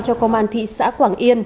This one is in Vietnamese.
cho công an thị xã quảng yên